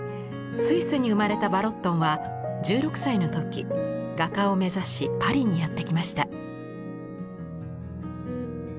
スイスに生まれたヴァロットンは１６歳の時画家を目指しパリにやって来ました。